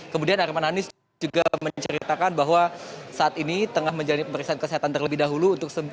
kemudian arman hanis juga menceritakan bahwa saat ini tengah menjalani pemeriksaan kesehatan terlebih dahulu